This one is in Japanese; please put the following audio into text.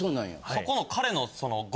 そこの彼のその。